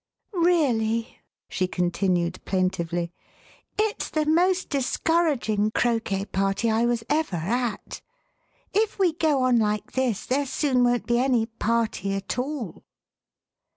Really," she continued plaintively, it's the most discouraging croquet party I was ever at ; if we go on like this there soon won't be any party at all."